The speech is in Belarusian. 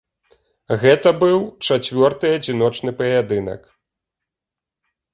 Гэта быў чацвёрты адзіночны паядынак.